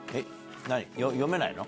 読めないの？